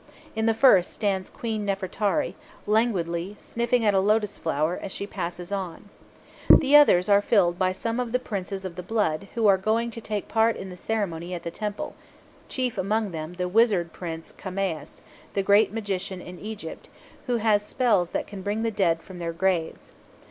In the first stands Queen Nefertari, languidly sniffing at a lotus flower as she passes on. The others are filled by some of the Princes of the blood, who are going to take part in the ceremony at the temple, chief among them the wizard Prince Khaemuas, the greatest magician in Egypt, who has spells that can bring the dead from their graves.